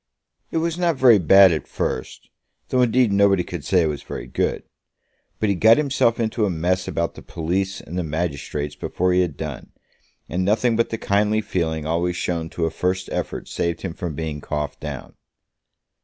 "It was not very bad at first; though indeed nobody could say it was very good. But he got himself into a mess about the police and the magistrates before he had done, and nothing but the kindly feeling always shown to a first effort saved him from being coughed down."